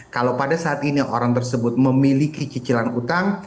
kalau pada saat ini orang tersebut memiliki cicilan utang